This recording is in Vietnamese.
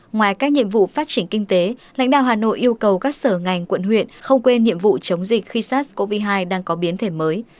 ngoài các nhiệm vụ phát triển kinh tế lãnh đạo hà nội yêu cầu các sở ngành quận huyện không quên nhiệm vụ chống dịch khi sars cov hai đang có biến thể mới